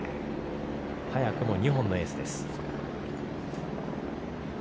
早くも２本のエースです。